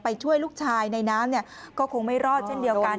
ไปช่วยลูกชายในน้ำเนี้ยก็คงไม่รอดเช่นเดียวกันเนี้ยนะ